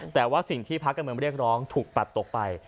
แต่ว่าสิ่งที่ภาคการเมืองเรียกร้องถูกปัดตกไป